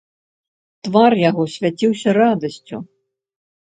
Твар яго свяціўся радасцю.